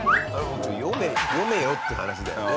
読めよって話だよね。